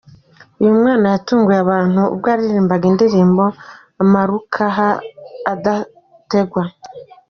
Uyu mwana yatunguye abantu ubwo yaririmbaga indirimbo'Amarukah'adategwa.